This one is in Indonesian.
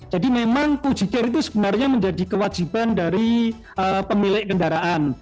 jadi memang ujikir itu sebenarnya menjadi kewajiban dari pemilik kendaraan